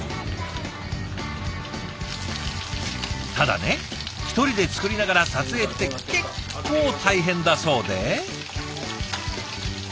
ただね１人で作りながら撮影って結構大変だそうで。